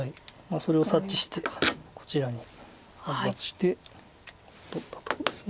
それを察知してこちらに反発して取ったとこです。